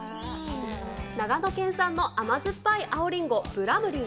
長野県産の甘酸っぱい青リンゴ、ブラムリー。